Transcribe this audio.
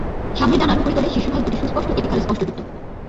সামনের ডানার উপরিতলে শীর্ষভাগ দুটি সুস্পষ্ট এপিকাল স্পষ্টযুক্ত।